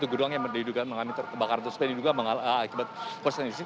tuguduang yang mengalami kebakaran tersebut ini juga mengalami korsleting listrik